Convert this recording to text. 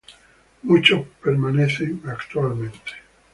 Muchos permanecen actualmente.